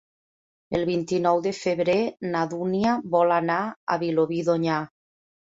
El vint-i-nou de febrer na Dúnia vol anar a Vilobí d'Onyar.